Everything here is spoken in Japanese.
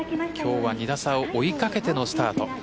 今日は２打差を追いかけてのスタート。